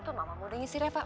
tuh mamamu udah ngisi reva